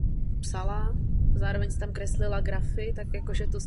Objekt je typickou stavbou původní předměstské zástavby ve Štramberku.